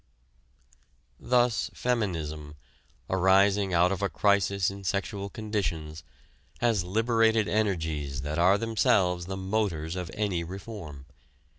Thus feminism, arising out of a crisis in sexual conditions, has liberated energies that are themselves the motors of any reform.